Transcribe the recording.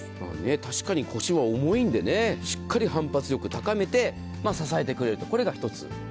確かに腰は重いんでしっかり反発力高めて支えてくれるという、これが１つ。